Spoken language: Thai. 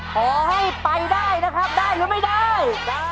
ขอให้ไปได้นะครับได้หรือไม่ได้